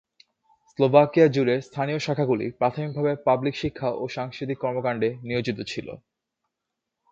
Slovakia জুড়ে স্থানীয় শাখাগুলি প্রাথমিকভাবে পাবলিক শিক্ষা ও সাংস্কৃতিক কর্মকাণ্ডে নিয়োজিত ছিল।